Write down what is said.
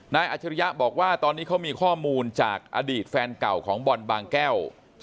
อัจฉริยะบอกว่าตอนนี้เขามีข้อมูลจากอดีตแฟนเก่าของบอลบางแก้ว